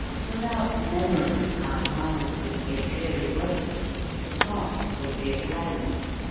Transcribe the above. Without memory our lives would be a dreary waste. The past would be a blank.